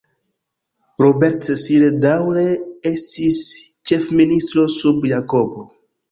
Robert Cecil daŭre estis ĉef-ministro sub Jakobo.